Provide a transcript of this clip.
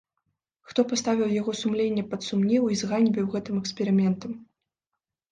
Хто паставіў яго сумленне пад сумнеў і зганьбіў гэтым эксперыментам.